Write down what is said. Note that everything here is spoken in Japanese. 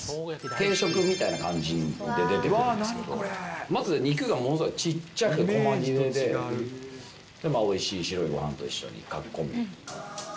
定食みたいな感じで出てくるんですけど、まず肉がものすごい小っちゃく細切れで、おいしい白いごはんと一緒にかき込む。